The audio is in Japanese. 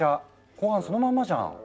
後半そのまんまじゃん。